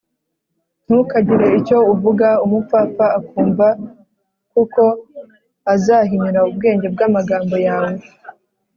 ntukagire icyo uvuga umupfapfa akumva, kuko azahinyura ubwenge bw’amagambo yawe